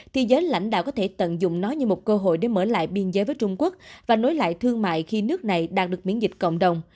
thì giới lãnh đạo có thể tận dụng nó như một cơ hội để mở lại biên giới với trung quốc và nối lại thương mại khi nước này đạt được miễn dịch cộng đồng